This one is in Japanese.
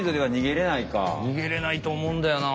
逃げれないと思うんだよな